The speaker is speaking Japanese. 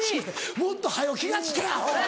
もっと早う気が付けアホ！